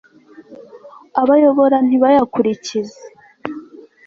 abo ayobora ntibayakurikize